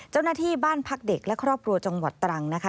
เจ้าหน้าที่บ้านพักเด็กและครอบครัวจังหวัดตรังนะคะ